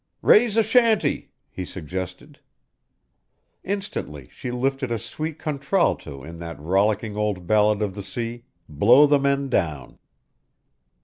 "Raise a chantey," he suggested. Instantly she lifted a sweet contralto in that rollicking old ballad of the sea "Blow the Men Down."